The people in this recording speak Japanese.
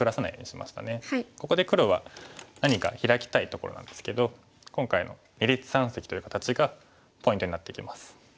ここで黒は何かヒラきたいところなんですけど今回の二立三析という形がポイントになってきます。